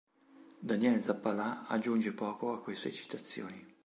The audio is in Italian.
Daniele Zappalà aggiunge poco a queste citazioni.